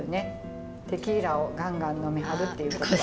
テキーラをガンガン呑みはるっていうことは。